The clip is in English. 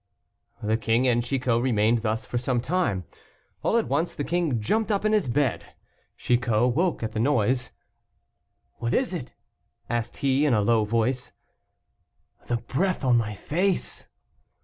The king and Chicot remained thus for some time. All at once the king jumped up in his bed. Chicot woke at the noise. "What is it?" asked he in a low voice. "The breath on my face."